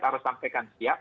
harus sampaikan siap